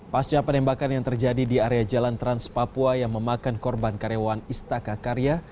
pasca penembakan yang terjadi di area jalan trans papua yang memakan korban karyawan istaka karya